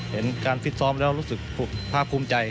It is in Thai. เห็นการฟิตซ้อมแล้วรู้สึกภาคภูมิใจ